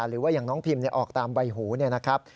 หรือว่าอย่างน้องพิมออกตามใบหูเนี่ยนะครับ